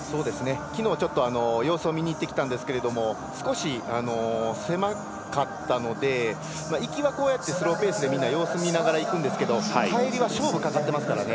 きのう様子を見に行ってきたんですけども少し狭かったので行きはスローペースで様子見ながら行くんですけど帰りは勝負がかかってますからね